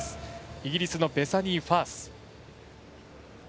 イギリスのベサニー・ファース。